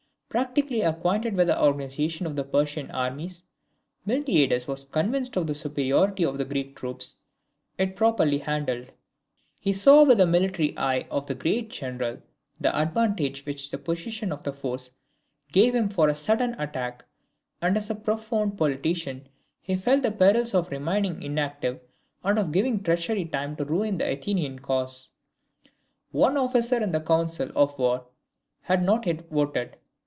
Practically acquainted with the organization of the Persian armies, Miltiades was convinced of the superiority of the Greek troops, if properly handled: he saw with the military eye of a great general the advantage which the position of the forces gave him for a sudden attack, and as a profound politician he felt the perils of remaining inactive, and of giving treachery time to ruin the Athenian cause. One officer in the council of war had not yet voted.